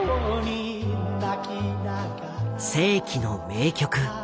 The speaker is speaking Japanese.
世紀の名曲。